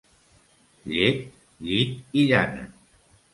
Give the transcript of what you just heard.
Llet, llit i llana.